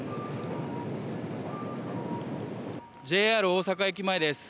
ＪＲ大阪駅前です。